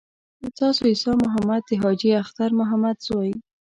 تاسو عیسی محمد د حاجي اختر محمد زوی.